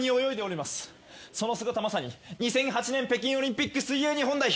その姿まさに２００８年北京オリンピック水泳日本代表